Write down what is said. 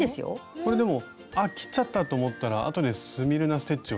これでもあっ切っちゃったと思ったらあとでスミルナ・ステッチを足したり。